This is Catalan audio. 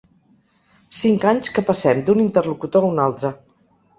Cinc anys que passem d'un interlocutor a un altre.